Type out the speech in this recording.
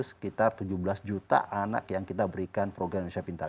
sekitar tujuh belas juta anak yang kita berikan program indonesia pintar